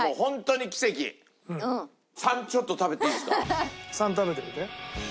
３食べてみて。